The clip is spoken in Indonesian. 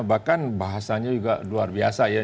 bahkan bahasanya juga luar biasa ya